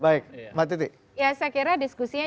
baik mbak titi ya saya kira diskusinya